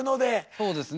そうですね